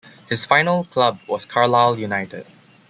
His final club was Carlisle United.